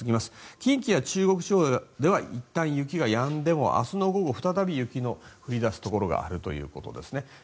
近畿や中国地方ではいったん雪がやんでも明日の午後、再び雪が降り出すところがありますね。